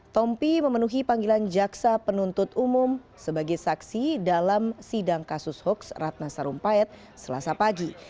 tompi memenuhi panggilan jaksa penuntut umum sebagai saksi dalam sidang kasus hoaks ratna sarumpait selasa pagi